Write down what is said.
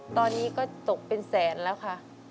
ตอนนี้ก็ตกเป็นแสนแล้วค่ะ